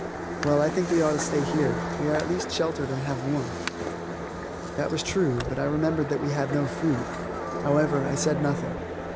"Well, I think we ought to stay here; we are at least sheltered and have warmth." That was true, but I remembered that we had no food. However, I said nothing.